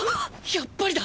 やっぱりだ！！